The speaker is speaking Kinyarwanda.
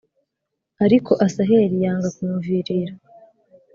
Ariko Asaheli yanga kumuvirira.